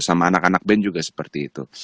sama anak anak band juga seperti itu